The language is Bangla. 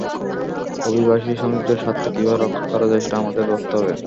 অভিবাসী শ্রমিকদের স্বার্থ কীভাবে রক্ষা করা যায়, সেটা আমাদের ভাবতে হবে।